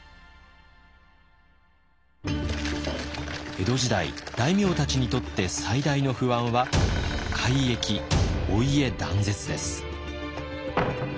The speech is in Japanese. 江戸時代大名たちにとって最大の不安は改易お家断絶です。